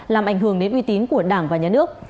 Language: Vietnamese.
làm ảnh hưởng đến uy tín của đảng và nhà nước